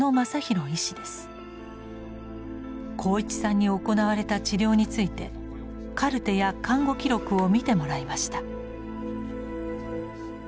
鋼一さんに行われた治療についてカルテや看護記録を見てもらいました。